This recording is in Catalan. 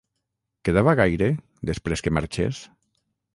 Quedava gaire, després que marxés?